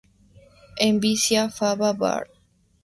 En "Vicia faba" var.